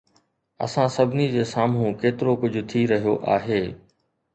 اسان سڀني جي سامهون ڪيترو ڪجهه ٿي رهيو آهي